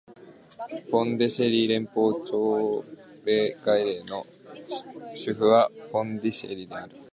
ポンディシェリ連邦直轄領の首府はポンディシェリである